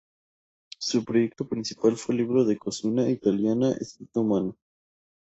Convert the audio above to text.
Su proyecto principal fue un libro de cocina italiana escrito a mano.